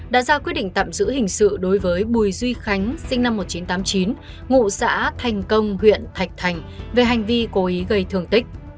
đã ra quyết định tạm giữ hình sự đối với bùi duy khánh sinh năm một nghìn chín trăm tám mươi chín ngụ xã thành công huyện thạch thành về hành vi cố ý gây thương tích